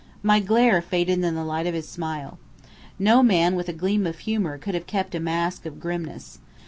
My glare faded in the light of his smile. No man with a gleam of humour could have kept a mask of grimness.